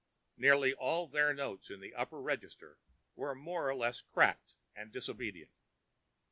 Nearly all their notes in the upper register were more or less cracked and disobedient.